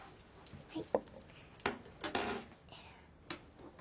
はい。